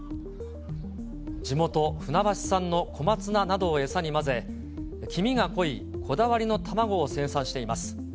地元、船橋産の小松菜などを餌に混ぜ、黄身が濃いこだわりの卵を生産しています。